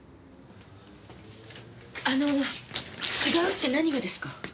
あの違うって何がですか？